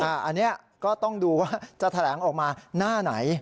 อันนี้ก็ต้องดูว่าจะแถลงออกมาหน้าไหน